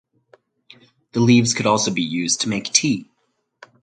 The leaves could also be used to make Tea.